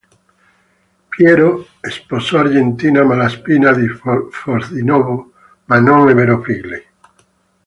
Piero sposò Argentina Malaspina di Fosdinovo, ma non ebbero figli.